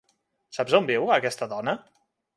Saps on viu aquesta dona?